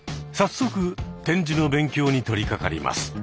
早速点字の勉強に取りかかります。